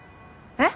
「えっ？」